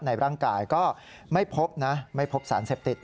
ในร่างกายก็ไม่พบนะไม่พบสารเสพติด